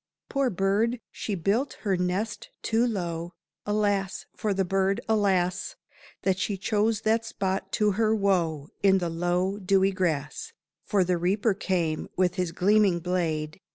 Poor bird, she built her nest too low; Alas! for the bird, alas! That she chose that spot to her woe In the low dewy grass; For the reaper came with his gleaming blade.